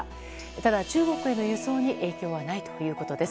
ただ、中国への輸送に影響はないということです。